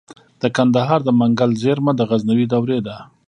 د کندهار د منگل زیرمه د غزنوي دورې ده